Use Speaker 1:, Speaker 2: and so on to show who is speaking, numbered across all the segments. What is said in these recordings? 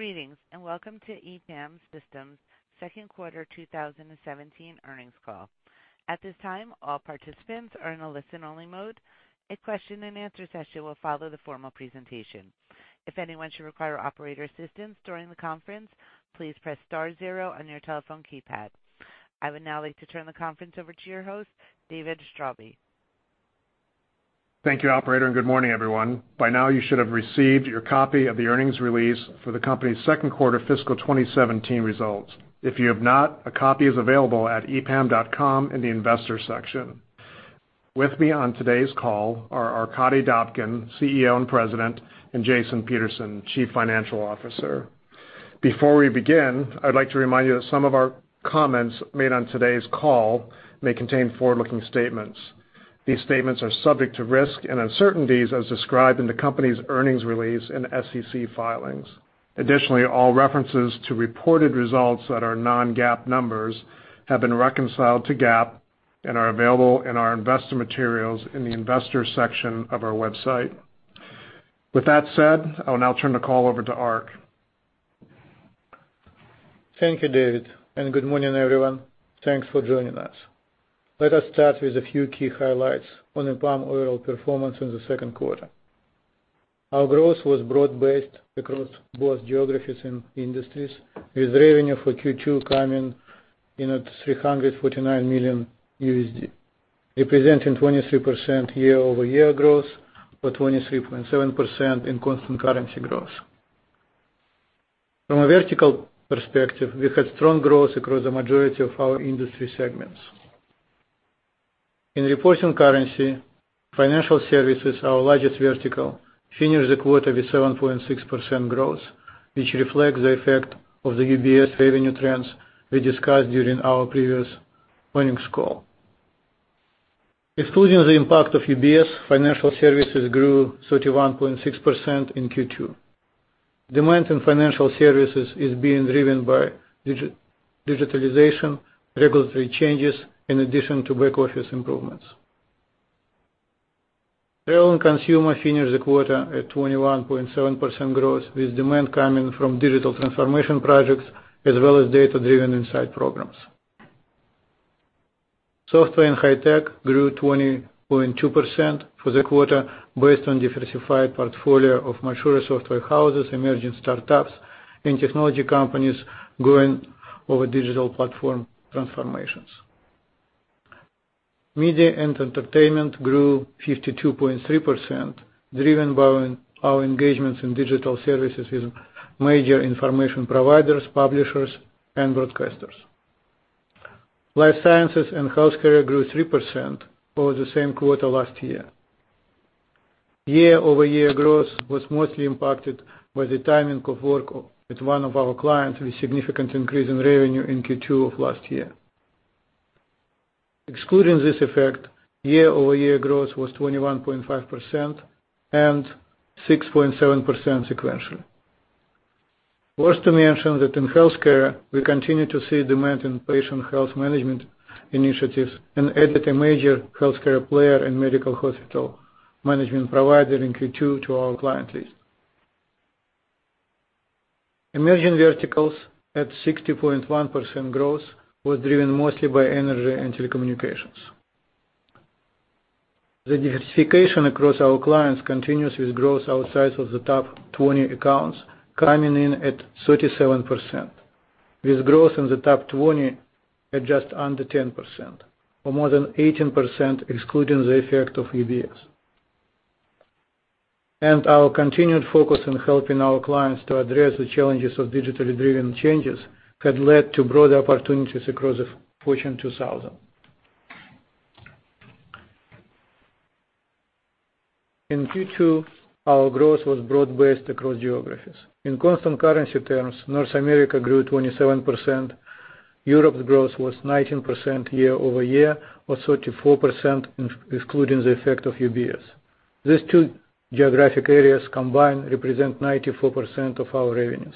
Speaker 1: Greetings, welcome to EPAM Systems' second quarter 2017 earnings call. At this time, all participants are in a listen-only mode. A question and answer session will follow the formal presentation. If anyone should require operator assistance during the conference, please press star zero on your telephone keypad. I would now like to turn the conference over to your host, David Straube.
Speaker 2: Thank you, operator, good morning, everyone. By now, you should have received your copy of the earnings release for the company's second quarter fiscal 2017 results. If you have not, a copy is available at epam.com in the Investors section. With me on today's call are Arkadiy Dobkin, CEO and President, and Jason Peterson, Chief Financial Officer. Before we begin, I'd like to remind you that some of our comments made on today's call may contain forward-looking statements. These statements are subject to risks and uncertainties as described in the company's earnings release and SEC filings. Additionally, all references to reported results that are non-GAAP numbers have been reconciled to GAAP and are available in our investor materials in the Investors section of our website. With that said, I will now turn the call over to Ark.
Speaker 3: Thank you, David, good morning, everyone. Thanks for joining us. Let us start with a few key highlights on EPAM overall performance in the second quarter. Our growth was broad-based across both geographies and industries, with revenue for Q2 coming in at $349 million, representing 23% year-over-year growth or 23.7% in constant currency growth. From a vertical perspective, we had strong growth across the majority of our industry segments. In reporting currency, financial services, our largest vertical, finished the quarter with 7.6% growth, which reflects the effect of the UBS revenue trends we discussed during our previous earnings call. Excluding the impact of UBS, financial services grew 31.6% in Q2. Demand in financial services is being driven by digitalization, regulatory changes, in addition to back-office improvements. Travel and consumer finished the quarter at 21.7% growth, with demand coming from digital transformation projects as well as data-driven insight programs. Software and high tech grew 20.2% for the quarter based on a diversified portfolio of mature software houses, emerging startups, and technology companies going over digital platform transformations. Media and entertainment grew 52.3%, driven by our engagements in digital services with major information providers, publishers, and broadcasters. Life sciences and healthcare grew 3% over the same quarter last year. Year-over-year growth was mostly impacted by the timing of work with one of our clients, with a significant increase in revenue in Q2 of last year. Excluding this effect, year-over-year growth was 21.5% and 6.7% sequentially. Worth to mention that in healthcare, we continue to see demand in patient health management initiatives and added a major healthcare player and medical hospital management provider in Q2 to our client list. Emerging verticals at 60.1% growth was driven mostly by energy and telecommunications. The diversification across our clients continues with growth outside of the top 20 accounts coming in at 37%, with growth in the top 20 at just under 10%, or more than 18% excluding the effect of UBS. Our continued focus on helping our clients to address the challenges of digitally driven changes had led to broader opportunities across the Fortune 2000. In Q2, our growth was broad-based across geographies. In constant currency terms, North America grew 27%, Europe's growth was 19% year-over-year or 34% excluding the effect of UBS. These two geographic areas combined represent 94% of our revenues.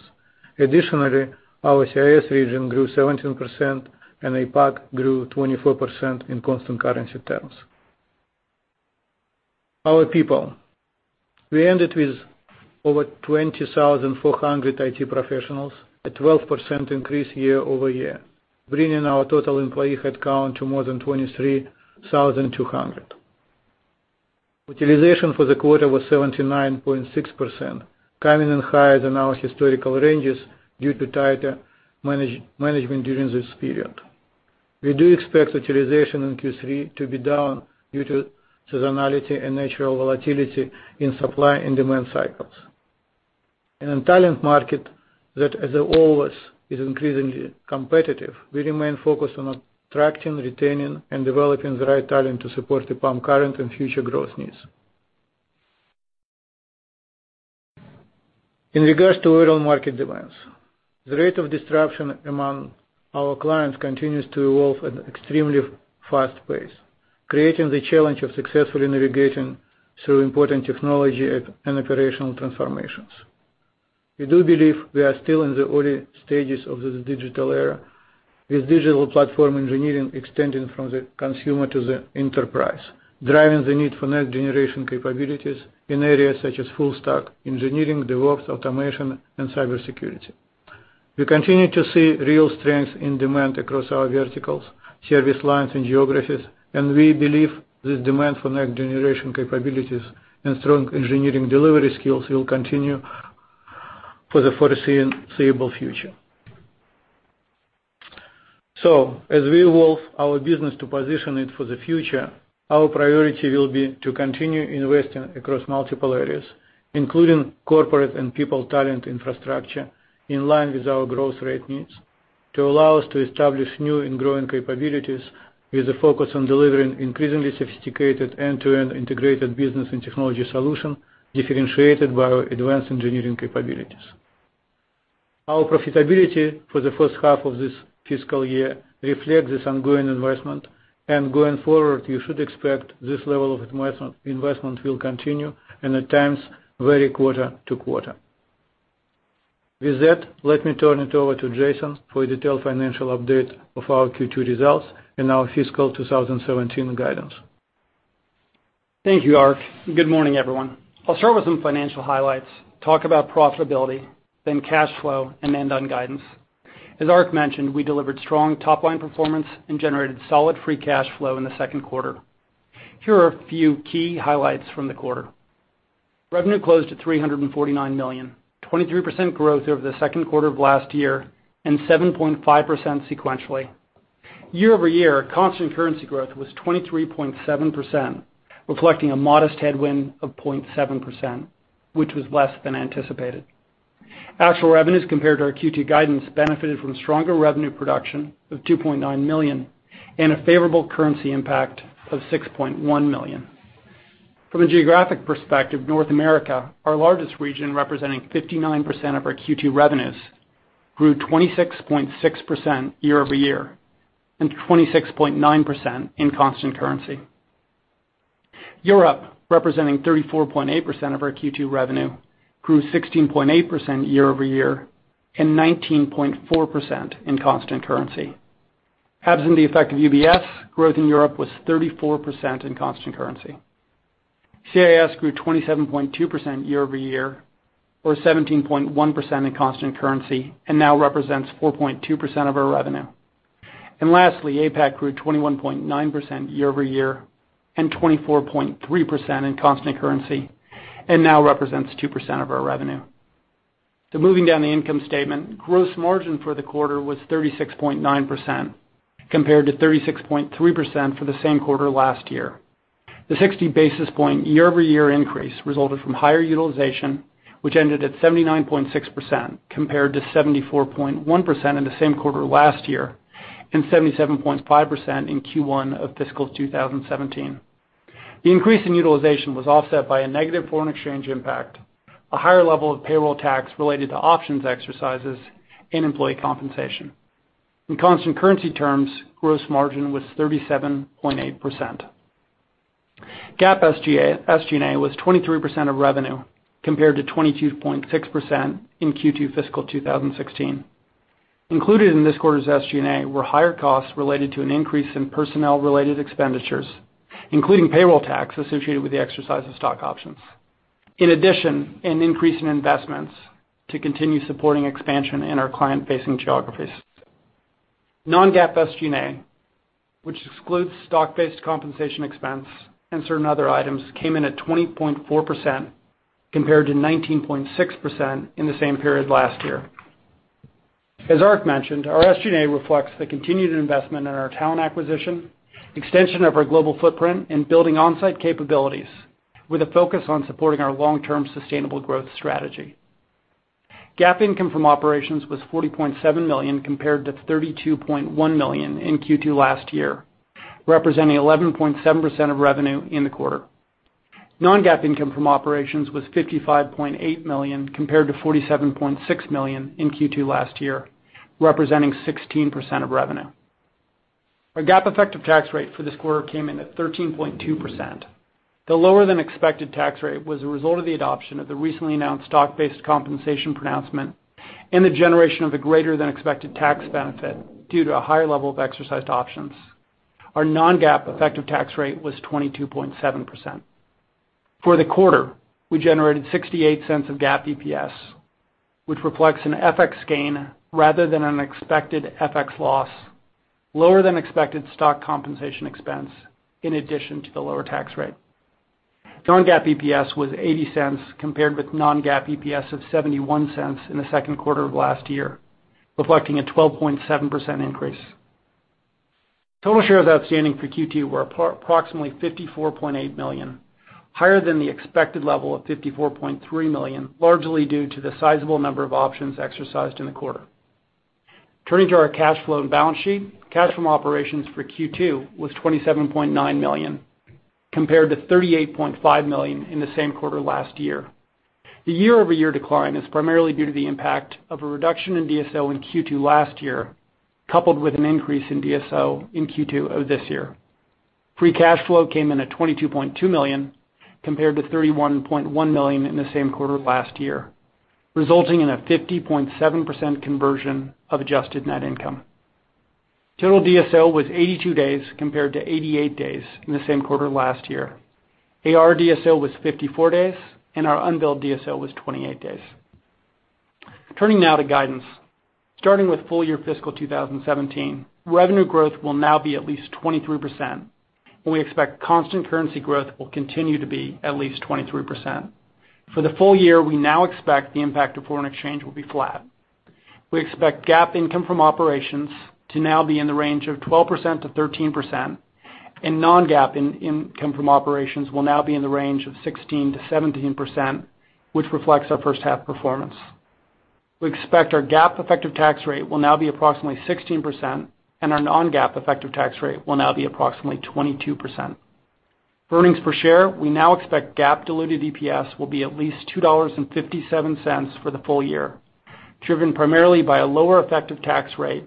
Speaker 3: Additionally, our CIS region grew 17% and APAC grew 24% in constant currency terms. Our people. We ended with over 20,400 IT professionals, a 12% increase year-over-year, bringing our total employee headcount to more than 23,200. Utilization for the quarter was 79.6%, coming in higher than our historical ranges due to tighter management during this period. We do expect utilization in Q3 to be down due to seasonality and natural volatility in supply and demand cycles. In a talent market that, as always, is increasingly competitive, we remain focused on attracting, retaining, and developing the right talent to support EPAM current and future growth needs. In regards to overall market demands, the rate of disruption among our clients continues to evolve at an extremely fast pace, creating the challenge of successfully navigating through important technology and operational transformations. We do believe we are still in the early stages of this digital era with digital platform engineering extending from the consumer to the enterprise, driving the need for next-generation capabilities in areas such as full stack engineering, DevOps, automation, and cybersecurity. We continue to see real strength in demand across our verticals, service lines, and geographies, and we believe this demand for next-generation capabilities and strong engineering delivery skills will continue for the foreseeable future. As we evolve our business to position it for the future, our priority will be to continue investing across multiple areas, including corporate and people talent infrastructure, in line with our growth rate needs, to allow us to establish new and growing capabilities with a focus on delivering increasingly sophisticated end-to-end integrated business and technology solution differentiated by our advanced engineering capabilities. Our profitability for the first half of this fiscal year reflects this ongoing investment, and going forward, you should expect this level of investment will continue and, at times, vary quarter to quarter. With that, let me turn it over to Jason for a detailed financial update of our Q2 results and our fiscal 2017 guidance.
Speaker 4: Thank you, Ark. Good morning, everyone. I'll start with some financial highlights, talk about profitability, then cash flow, and end on guidance. As Ark mentioned, we delivered strong top-line performance and generated solid free cash flow in the second quarter. Here are a few key highlights from the quarter. Revenue closed at $349 million, 23% growth over the second quarter of last year and 7.5% sequentially. Year-over-year constant currency growth was 23.7%, reflecting a modest headwind of 0.7%, which was less than anticipated. Actual revenues compared to our Q2 guidance benefited from stronger revenue production of $2.9 million and a favorable currency impact of $6.1 million. From a geographic perspective, North America, our largest region representing 59% of our Q2 revenues, grew 26.6% year-over-year and 26.9% in constant currency. Europe, representing 34.8% of our Q2 revenue, grew 16.8% year-over-year and 19.4% in constant currency. Absent the effect of UBS, growth in Europe was 34% in constant currency. CIS grew 27.2% year-over-year or 17.1% in constant currency and now represents 4.2% of our revenue. Lastly, APAC grew 21.9% year-over-year and 24.3% in constant currency and now represents 2% of our revenue. Moving down the income statement, gross margin for the quarter was 36.9% compared to 36.3% for the same quarter last year. The 60 basis point year-over-year increase resulted from higher utilization, which ended at 79.6% compared to 74.1% in the same quarter last year and 77.5% in Q1 of fiscal 2017. The increase in utilization was offset by a negative foreign exchange impact, a higher level of payroll tax related to options exercises, and employee compensation. In constant currency terms, gross margin was 37.8%. GAAP SG&A was 23% of revenue compared to 22.6% in Q2 fiscal 2016. Included in this quarter's SG&A were higher costs related to an increase in personnel-related expenditures, including payroll tax associated with the exercise of stock options. In addition, an increase in investments to continue supporting expansion in our client-facing geographies. Non-GAAP SG&A, which excludes stock-based compensation expense and certain other items, came in at 20.4% compared to 19.6% in the same period last year. As Ark mentioned, our SG&A reflects the continued investment in our talent acquisition, extension of our global footprint, and building on-site capabilities, with a focus on supporting our long-term sustainable growth strategy. GAAP income from operations was $40.7 million compared to $32.1 million in Q2 last year, representing 11.7% of revenue in the quarter. Non-GAAP income from operations was $55.8 million compared to $47.6 million in Q2 last year, representing 16% of revenue. Our GAAP effective tax rate for this quarter came in at 13.2%. The lower-than-expected tax rate was a result of the adoption of the recently announced stock-based compensation pronouncement and the generation of a greater than expected tax benefit due to a higher level of exercised options. Our non-GAAP effective tax rate was 22.7%. For the quarter, we generated $0.68 of GAAP EPS, which reflects an FX gain rather than an expected FX loss, lower than expected stock compensation expense in addition to the lower tax rate. Non-GAAP EPS was $0.80 compared with non-GAAP EPS of $0.71 in the second quarter of last year, reflecting a 12.7% increase. Total shares outstanding for Q2 were approximately 54.8 million, higher than the expected level of 54.3 million, largely due to the sizable number of options exercised in the quarter. Turning to our cash flow and balance sheet. Cash from operations for Q2 was $27.9 million compared to $38.5 million in the same quarter last year. The year-over-year decline is primarily due to the impact of a reduction in DSO in Q2 last year, coupled with an increase in DSO in Q2 of this year. Free cash flow came in at $22.2 million, compared to $31.1 million in the same quarter last year, resulting in a 50.7% conversion of adjusted net income. Total DSO was 82 days compared to 88 days in the same quarter last year. AR DSO was 54 days, and our unbilled DSO was 28 days. Turning now to guidance. Starting with full year fiscal 2017, revenue growth will now be at least 23%, and we expect constant currency growth will continue to be at least 23%. For the full year, we now expect the impact of foreign exchange will be flat. We expect GAAP income from operations to now be in the range of 12%-13%, and non-GAAP income from operations will now be in the range of 16%-17%, which reflects our first half performance. We expect our GAAP effective tax rate will now be approximately 16%, and our non-GAAP effective tax rate will now be approximately 22%. Earnings per share, we now expect GAAP diluted EPS will be at least $2.57 for the full year, driven primarily by a lower effective tax rate,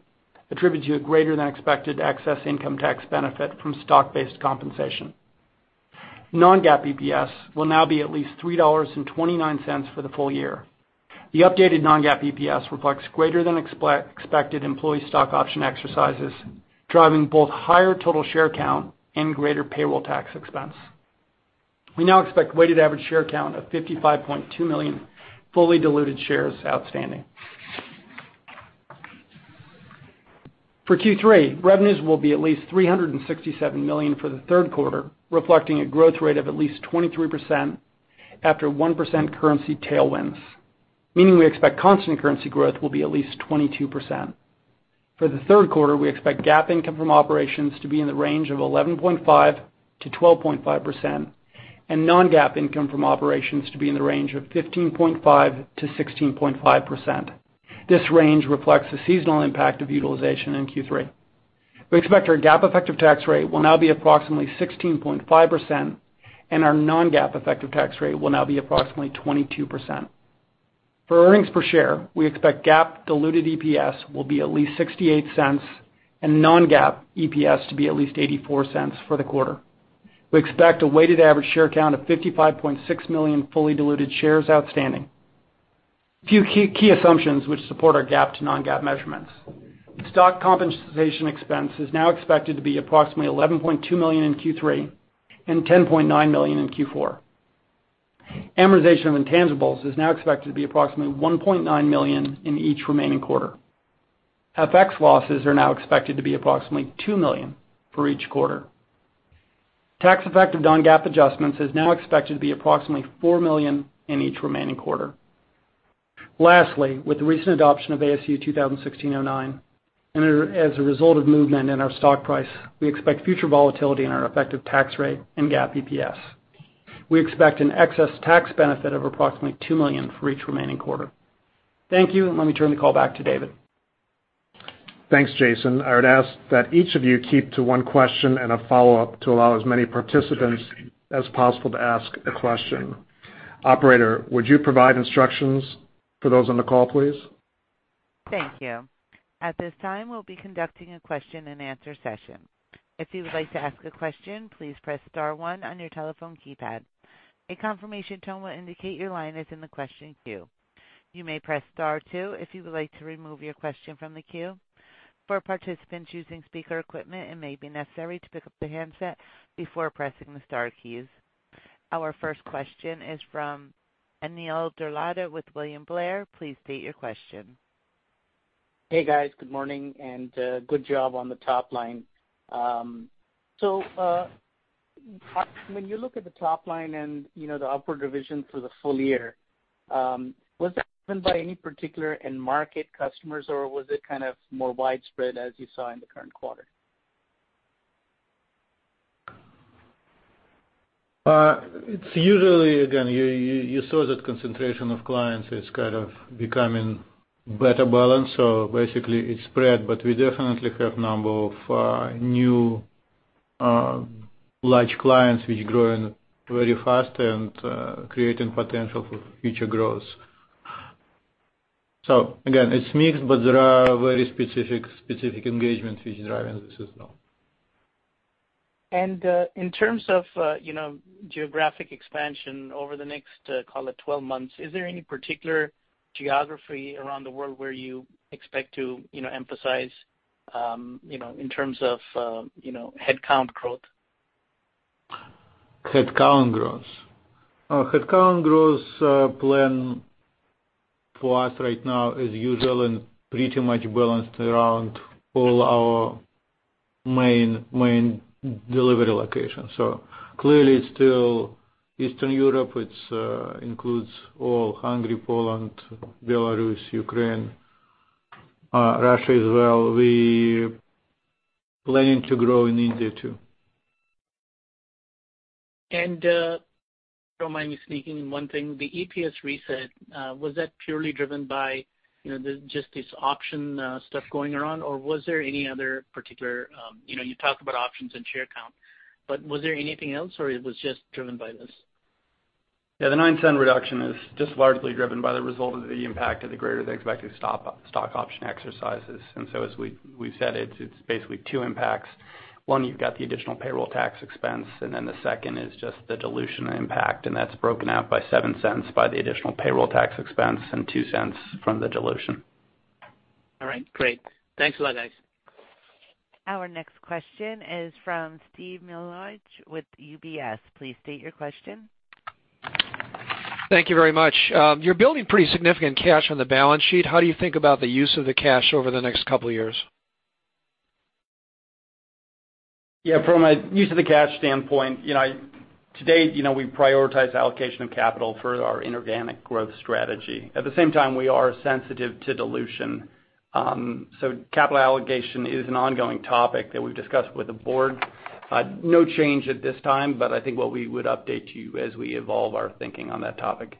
Speaker 4: attributed to a greater-than-expected excess income tax benefit from stock-based compensation. Non-GAAP EPS will now be at least $3.29 for the full year. The updated non-GAAP EPS reflects greater than expected employee stock option exercises, driving both higher total share count and greater payroll tax expense. We now expect weighted average share count of 55.2 million fully diluted shares outstanding. For Q3, revenues will be at least $367 million for the third quarter, reflecting a growth rate of at least 23% after 1% currency tailwinds, meaning we expect constant currency growth will be at least 22%. For the third quarter, we expect GAAP income from operations to be in the range of 11.5%-12.5%, and non-GAAP income from operations to be in the range of 15.5%-16.5%. This range reflects the seasonal impact of utilization in Q3. We expect our GAAP effective tax rate will now be approximately 16.5%, and our non-GAAP effective tax rate will now be approximately 22%. For earnings per share, we expect GAAP diluted EPS will be at least $0.68 and non-GAAP EPS to be at least $0.84 for the quarter. We expect a weighted average share count of 55.6 million fully diluted shares outstanding. A few key assumptions which support our GAAP to non-GAAP measurements. Stock compensation expense is now expected to be approximately $11.2 million in Q3 and $10.9 million in Q4. Amortization of intangibles is now expected to be approximately $1.9 million in each remaining quarter. FX losses are now expected to be approximately $2 million for each quarter. Tax effect of non-GAAP adjustments is now expected to be approximately $4 million in each remaining quarter. Lastly, with the recent adoption of ASU 2016-09, and as a result of movement in our stock price, we expect future volatility in our effective tax rate and GAAP EPS. We expect an excess tax benefit of approximately $2 million for each remaining quarter. Thank you, and let me turn the call back to David.
Speaker 2: Thanks, Jason. I would ask that each of you keep to one question and a follow-up to allow as many participants as possible to ask a question. Operator, would you provide instructions for those on the call, please?
Speaker 1: Thank you. At this time, we'll be conducting a question and answer session. If you would like to ask a question, please press star one on your telephone keypad. A confirmation tone will indicate your line is in the question queue. You may press star two if you would like to remove your question from the queue. For participants using speaker equipment, it may be necessary to pick up the handset before pressing the star keys. Our first question is from Anil Doradla with William Blair. Please state your question.
Speaker 5: Hey, guys. Good morning. Good job on the top line. When you look at the top line and the upward revision for the full year, was that driven by any particular end market customers, or was it more widespread as you saw in the current quarter?
Speaker 3: It's usually, again, you saw that concentration of clients is becoming better balanced. Basically it's spread, but we definitely have number of new large clients which growing very fast and creating potential for future growth. Again, it's mixed, but there are very specific engagements which is driving this as well.
Speaker 5: In terms of geographic expansion over the next, call it, 12 months, is there any particular geography around the world where you expect to emphasize in terms of headcount growth?
Speaker 3: Headcount growth plan for us right now is usual and pretty much balanced around all our main delivery locations. Clearly it's still Eastern Europe. It includes all Hungary, Poland, Belarus, Ukraine, Russia as well. We planning to grow in India, too.
Speaker 5: If you don't mind me sneaking in one thing, the EPS reset, was that purely driven by just this option stuff going around, or was there any other particular You talked about options and share count, but was there anything else, or it was just driven by this?
Speaker 4: Yeah, the $0.09 reduction is just largely driven by the result of the impact of the greater-than-expected stock option exercises. As we've said, it's basically two impacts. One, you've got the additional payroll tax expense, and then the second is just the dilution impact, and that's broken out by $0.07 by the additional payroll tax expense and $0.02 from the dilution.
Speaker 5: All right, great. Thanks a lot, guys.
Speaker 1: Our next question is from Steven Milunovich with UBS. Please state your question.
Speaker 6: Thank you very much. You're building pretty significant cash on the balance sheet. How do you think about the use of the cash over the next couple of years?
Speaker 4: Yeah, from a use of the cash standpoint, to date, we prioritize allocation of capital for our inorganic growth strategy. At the same time, we are sensitive to dilution. Capital allocation is an ongoing topic that we've discussed with the board. No change at this time, I think what we would update you as we evolve our thinking on that topic.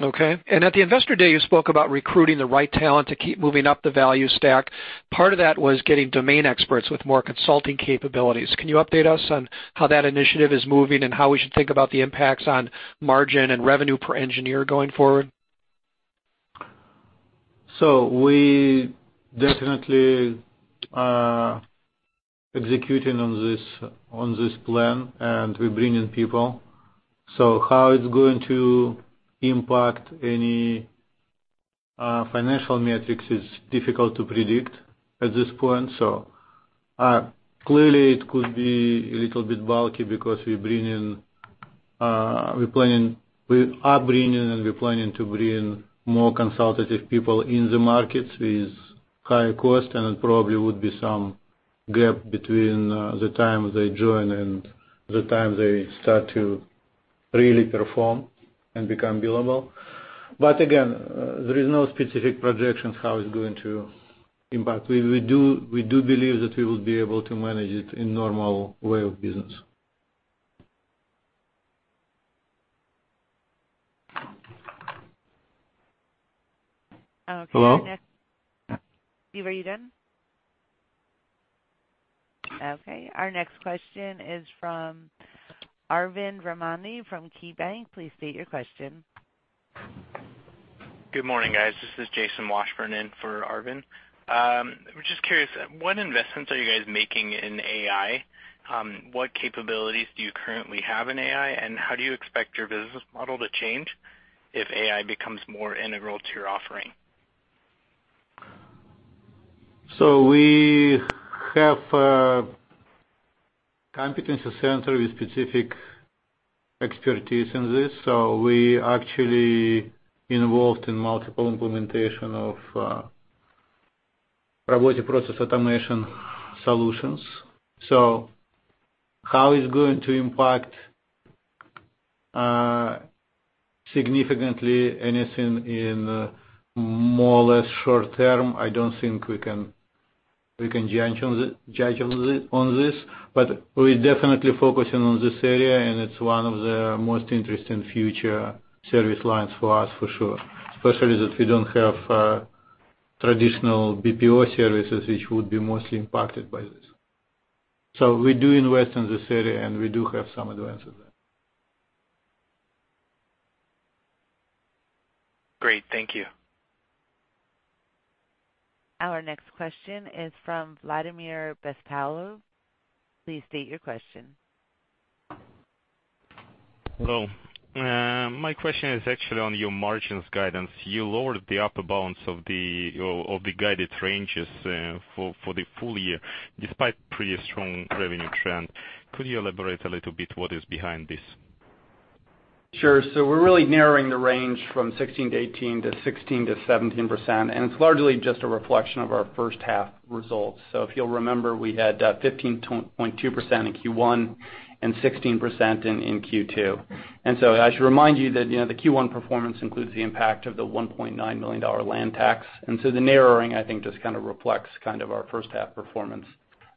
Speaker 6: Okay. At the Investor Day, you spoke about recruiting the right talent to keep moving up the value stack. Part of that was getting domain experts with more consulting capabilities. Can you update us on how that initiative is moving and how we should think about the impacts on margin and revenue per engineer going forward?
Speaker 3: We definitely are executing on this plan, and we bring in people. How it's going to impact any financial metrics is difficult to predict at this point. Clearly, it could be a little bit bulky because we are bringing in and we're planning to bring in more consultative people in the markets with higher cost, and it probably would be some gap between the time they join and the time they start to really perform and become billable. Again, there is no specific projections how it's going to impact. We do believe that we will be able to manage it in normal way of business.
Speaker 1: Okay.
Speaker 3: Hello?
Speaker 1: Steve, are you done? Okay. Our next question is from Arvind Ramani from KeyBanc. Please state your question.
Speaker 7: Good morning, guys. This is Jason Washburn in for Arvind. We're just curious, what investments are you guys making in AI? What capabilities do you currently have in AI? How do you expect your business model to change if AI becomes more integral to your offering?
Speaker 3: We have a competency center with specific expertise in this. We actually involved in multiple implementation of robotic process automation solutions. How it's going to impact significantly anything in more or less short term, I don't think we can judge on this. We're definitely focusing on this area, and it's one of the most interesting future service lines for us, for sure. Especially that we don't have traditional BPO services, which would be mostly impacted by this. We do invest in this area, and we do have some advances there.
Speaker 7: Great. Thank you.
Speaker 1: Our next question is from Vladimir Bespalov. Please state your question.
Speaker 8: Hello. My question is actually on your margins guidance. You lowered the upper bounds of the guided ranges for the full year, despite pretty strong revenue trend. Could you elaborate a little bit what is behind this?
Speaker 4: We're really narrowing the range from 16%-18% to 16%-17%, and it's largely just a reflection of our first half results. If you'll remember, we had 15.2% in Q1 and 16% in Q2. I should remind you that the Q1 performance includes the impact of the $1.9 million land tax. The narrowing, I think, just kind of reflects our first half performance.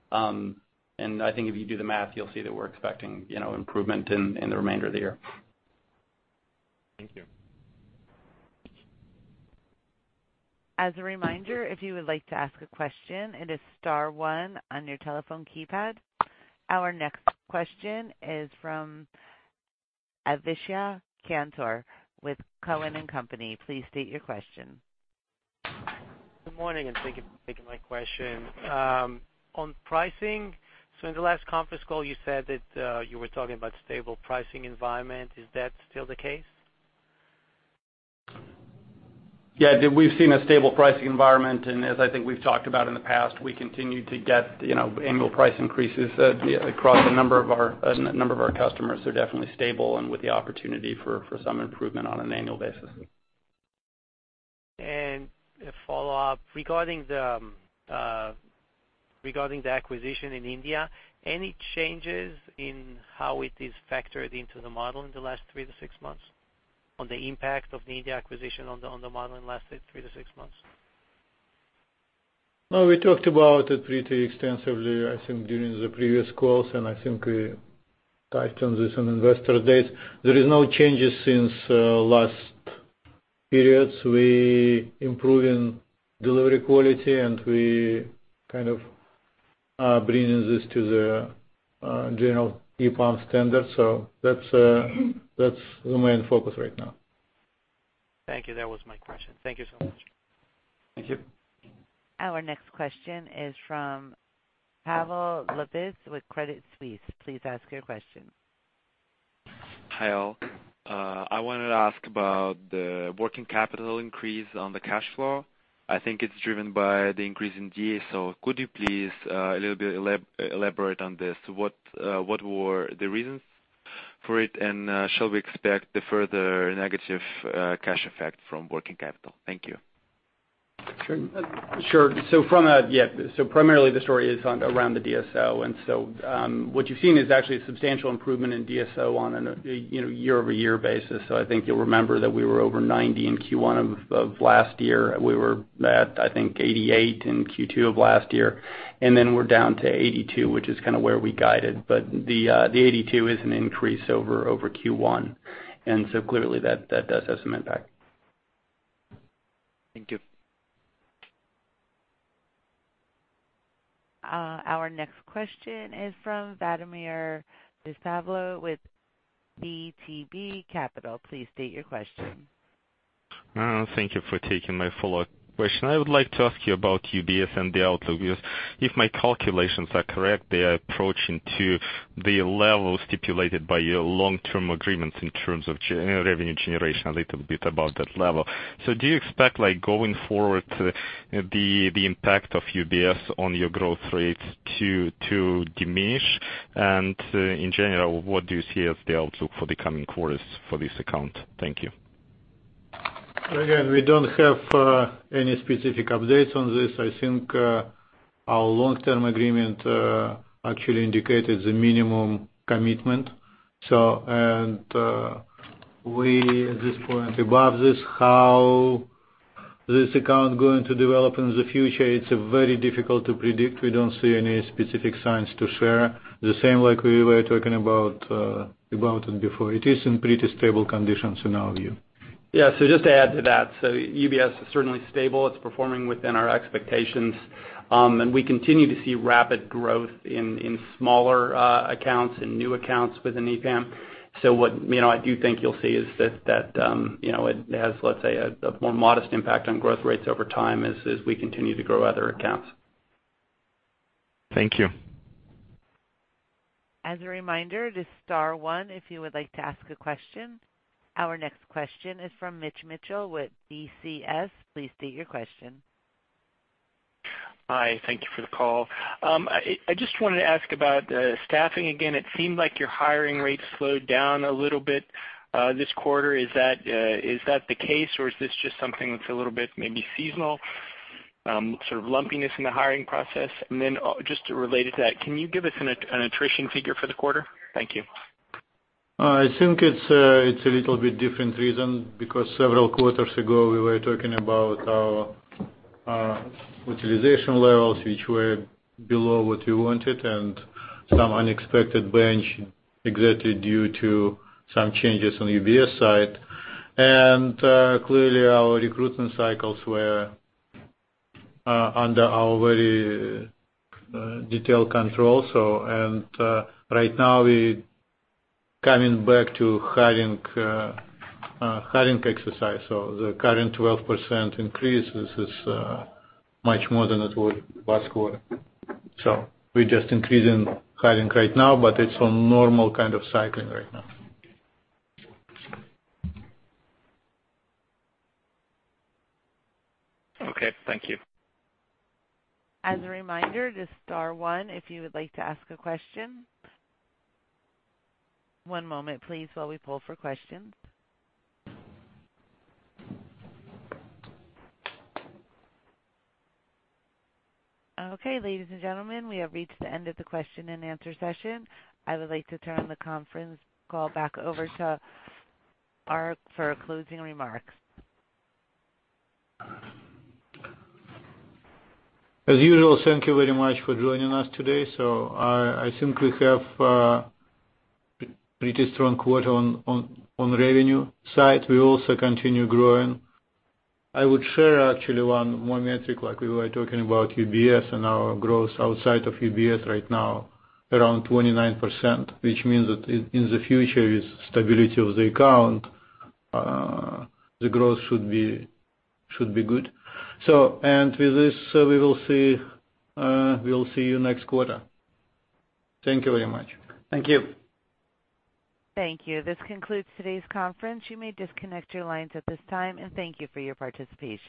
Speaker 4: I think if you do the math, you'll see that we're expecting improvement in the remainder of the year.
Speaker 8: Thank you.
Speaker 1: As a reminder, if you would like to ask a question, it is star one on your telephone keypad. Our next question is from Avishai Kantor with Cowen and Company. Please state your question.
Speaker 9: Good morning. Thank you for taking my question. On pricing, in the last conference call, you said that you were talking about stable pricing environment. Is that still the case?
Speaker 4: Yeah, we've seen a stable pricing environment, and as I think we've talked about in the past, we continue to get annual price increases across a number of our customers. They're definitely stable and with the opportunity for some improvement on an annual basis.
Speaker 9: A follow-up. Regarding the acquisition in India, any changes in how it is factored into the model in the last three to six months? On the impact of the India acquisition on the model in the last three to six months?
Speaker 3: No, we talked about it pretty extensively, I think, during the previous calls, and I think we touched on this on Investor Day. There is no changes since last periods, we improving delivery quality and we are bringing this to the general EPAM standard. That's the main focus right now.
Speaker 9: Thank you. That was my question. Thank you so much.
Speaker 3: Thank you.
Speaker 1: Our next question is from Pavel Lapin with Credit Suisse. Please ask your question.
Speaker 10: Hi all. I wanted to ask about the working capital increase on the cash flow. I think it's driven by the increase in DSO. Could you please a little bit elaborate on this? What were the reasons for it, and shall we expect the further negative cash effect from working capital? Thank you.
Speaker 4: Sure. Primarily the story is around the DSO. What you've seen is actually a substantial improvement in DSO on a year-over-year basis. I think you'll remember that we were over 90 in Q1 of last year. We were at, I think, 88 in Q2 of last year, and then we're down to 82, which is where we guided. The 82 is an increase over Q1, clearly that does have some impact.
Speaker 10: Thank you.
Speaker 1: Our next question is from Vladimir Tysarlo with VTB Capital. Please state your question.
Speaker 11: Thank you for taking my follow-up question. I would like to ask you about UBS and the outlook, because if my calculations are correct, they are approaching to the level stipulated by your long-term agreements in terms of revenue generation, a little bit above that level. Do you expect going forward, the impact of UBS on your growth rates to diminish? In general, what do you see as the outlook for the coming quarters for this account? Thank you.
Speaker 3: Again, we don't have any specific updates on this. I think our long-term agreement actually indicated the minimum commitment. We at this point above this, how this account going to develop in the future, it's very difficult to predict. We don't see any specific signs to share. The same like we were talking about before. It is in pretty stable conditions in our view.
Speaker 4: Yeah. Just to add to that, UBS is certainly stable. It's performing within our expectations. We continue to see rapid growth in smaller accounts and new accounts within EPAM. What I do think you'll see is that it has, let's say, a more modest impact on growth rates over time as we continue to grow other accounts.
Speaker 11: Thank you.
Speaker 1: As a reminder, it is star one if you would like to ask a question. Our next question is from Mitch Mitchell with BCS. Please state your question.
Speaker 12: Hi, thank you for the call. I just wanted to ask about staffing again. It seemed like your hiring rates slowed down a little bit this quarter. Is that the case, or is this just something that's a little bit maybe seasonal, sort of lumpiness in the hiring process? Then just related to that, can you give us an attrition figure for the quarter? Thank you.
Speaker 3: I think it's a little bit different reason because several quarters ago, we were talking about our utilization levels, which were below what we wanted, and some unexpected bench exactly due to some changes on the UBS side. Clearly, our recruitment cycles were under our very detailed control. Right now we coming back to hiring exercise, so the current 12% increase, this is much more than it was last quarter. We're just increasing hiring right now, but it's on normal kind of cycling right now.
Speaker 12: Okay, thank you.
Speaker 1: As a reminder, it is star one if you would like to ask a question. One moment, please, while we pull for questions. Okay, ladies and gentlemen, we have reached the end of the question and answer session. I would like to turn the conference call back over to Ark for closing remarks.
Speaker 3: As usual, thank you very much for joining us today. I think we have a pretty strong quarter on revenue side. We also continue growing. I would share actually one more metric, like we were talking about UBS and our growth outside of UBS right now, around 29%, which means that in the future, with stability of the account, the growth should be good. With this, we will see you next quarter. Thank you very much.
Speaker 4: Thank you.
Speaker 1: Thank you. This concludes today's conference. You may disconnect your lines at this time, and thank you for your participation.